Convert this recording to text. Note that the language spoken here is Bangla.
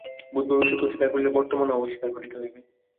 ভূত-ভবিষ্যৎ অস্বীকার করিলে বর্তমানও অস্বীকার করিতে হইবে।